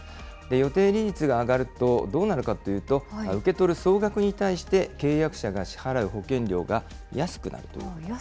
予定利率が上がると、どうなるかっていうと、受け取る総額に対して、契約者が支払う保険料が安くなるというんですね。